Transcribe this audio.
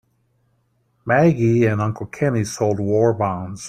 Maggie and Uncle Kenny sold war bonds.